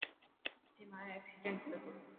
اٿي مايو ايڪسيڊنٽ ٿيو تو.